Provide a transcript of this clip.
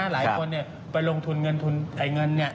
หลายคนเนี้ยไปลงทุนเงินทุนไหนเงินเนี่ย